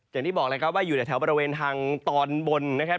อย่างที่บอกเลยครับว่าอยู่ในแถวบริเวณทางตอนบนนะครับ